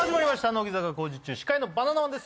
乃木坂工事中司会のバナナマンです